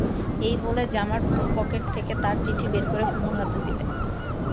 এই বলে জামার পকেট থেকে তার চিঠি বের করে কুমুর হাতে দিলে।